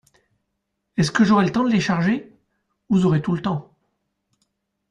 Est-ce que j'aurai le temps de les charger ? Vous aurez tout le temps.